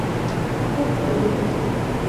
Quốc tế